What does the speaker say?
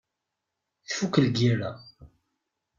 Tfukk lgira.